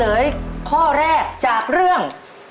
ต้องถือเฉลยข้อแรกจากเรื่อง